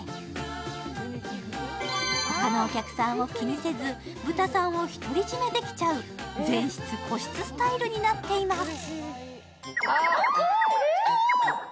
他のお客さんを気にせず、豚さんを独り占めできちゃう、全室個室スタイルになっています。